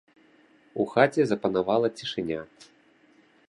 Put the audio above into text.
У хаце запанавала цішыня.